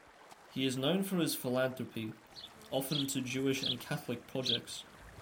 He is known for his philanthropy, often to Jewish and Catholic projects.